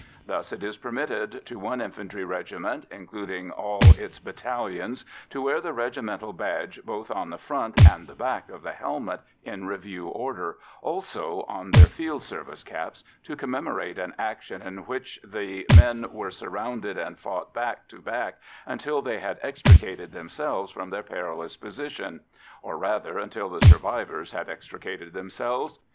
Thus it is permitted to one infantry regiment, including all its battalions, to wear the regimental badge both on the front and the back of the helmet in review order, also on their field service caps, to commemorate an action in which the men were surrounded and fought back to back until they had extricated themselves from their perilous position or rather, until the survivors had extricated themselves.